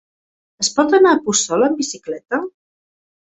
Es pot anar a Puçol amb bicicleta?